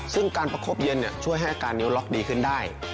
ซึ่งการประคบเย็นช่วยให้อาการนิ้วล็อกดีขึ้นได้